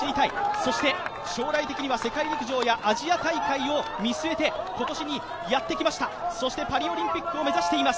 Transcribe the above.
そして将来的には世界陸上やアジア大会を目指して今年にやって来ました、そしてパリオリンピックを目指しています